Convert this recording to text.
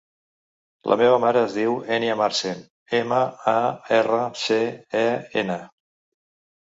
La meva mare es diu Ènia Marcen: ema, a, erra, ce, e, ena.